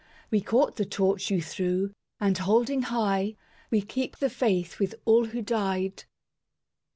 We caught the torch you threw And holding high, we keep the Faith With All who died.